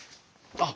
あっ。